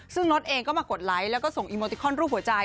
ซึ่งนดเองก็มากดไลค์แล้วก็ส่งอีโมติคอนรูปหัวใจ